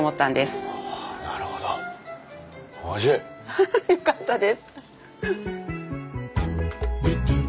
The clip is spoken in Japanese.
ハハよかったです。